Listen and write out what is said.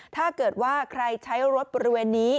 ถ้าเกิดว่าใครใช้รถบริเวณนี้